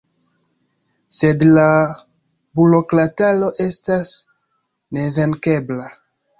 Sed la burokrataro estas nevenkebla.